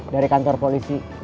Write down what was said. dari kantor polisi